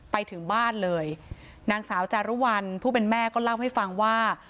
ไปถึงบ้านเลยนางสาวจารุวัลผู้เป็นแม่ก็เล่าให้ฟังว่า